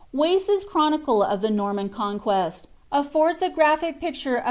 Wace's Chronicle of the Norman Conquest affords a graphic picture >Mmimsbiirj.